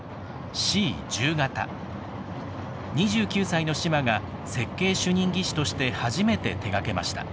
２９歳の島が設計主任技師として初めて手がけました。